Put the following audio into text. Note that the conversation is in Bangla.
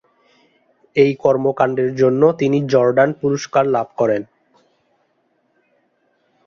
এই কর্মকাণ্ডের জন্য তিনি জর্দান পুরস্কার লাভ করেন।